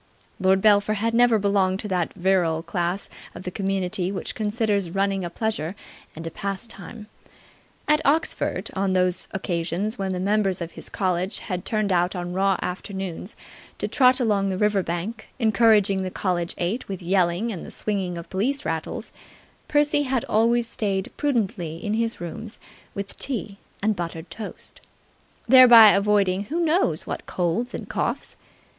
Lord Belpher had never belonged to that virile class of the community which considers running a pleasure and a pastime. At Oxford, on those occasions when the members of his college had turned out on raw afternoons to trot along the river bank encouraging the college eight with yelling and the swinging of police rattles, Percy had always stayed prudently in his rooms with tea and buttered toast, thereby avoiding who knows what colds and coughs.